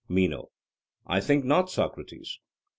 MENO: I think not, Socrates.